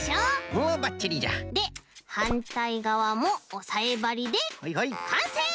おばっちりじゃではんたいがわもおさえばりでかんせい！